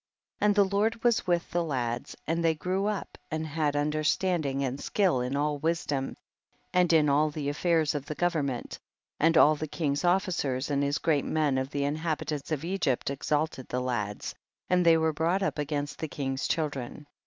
17. And the Lord was with the lads, and they grew up and had un derstanding and skill in all wisdom and in all the affairs of government, and all the king's officers and his great men of the inhabitants of Egypt exalted the lads, and they were brought up amongst the king's children.